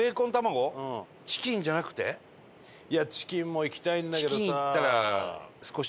いやチキンもいきたいんだけどさ。